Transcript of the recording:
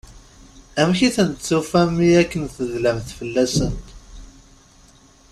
Amek i tent-tufamt mi akken i tedlamt fell-asent?